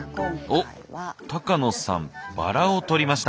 おっ高野さんバラを取りました。